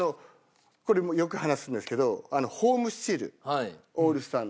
これもよく話すんですけどホームスチールオールスターの。